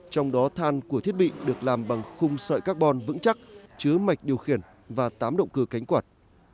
trong đó than của thiết bị được làm bằng khung sợi carbon vững chắc chứa mạch điều khiển và tám động cơ cánh quạt